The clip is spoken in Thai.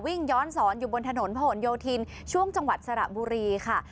ย้อนสอนอยู่บนถนนผนโยธินช่วงจังหวัดสระบุรีค่ะ